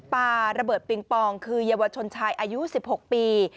ปาระเบิดปิงปองคือเยาวชนชายอายุ๑๖ปี